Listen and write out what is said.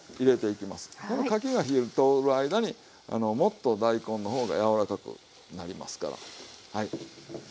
このかきが火が通る間にもっと大根の方が柔らかくなりますから。